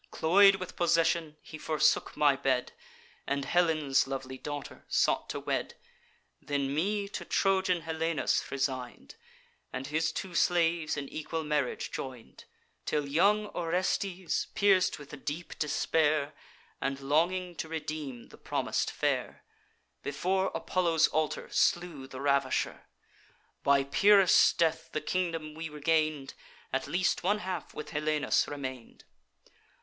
Cloy'd with possession, he forsook my bed, And Helen's lovely daughter sought to wed; Then me to Trojan Helenus resign'd, And his two slaves in equal marriage join'd; Till young Orestes, pierc'd with deep despair, And longing to redeem the promis'd fair, Before Apollo's altar slew the ravisher. By Pyrrhus' death the kingdom we regain'd: At least one half with Helenus remain'd.